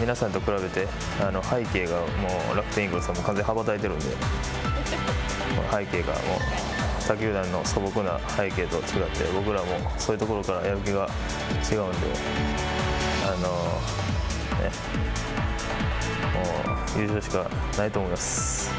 皆さんと比べて、背景が楽天イーグルスは完全に羽ばたいているので、背景が他球団の素朴な背景とは違って、僕らはもう、そういうところからやる気が違うので、あの、優勝しかないと思います。